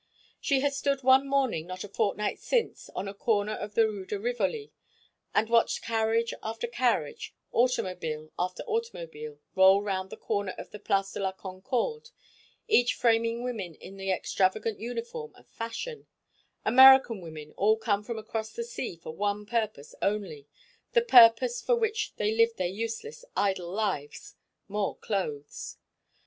She had stood one morning not a fortnight since on a corner of the Rue de Rivoli and watched carriage after carriage, automobile after automobile roll round the corner of the Place de la Concord, each framing women in the extravagant uniform of fashion—American women, all come from across the sea for one purpose only, the purpose for which they lived their useless, idle lives—more clothes.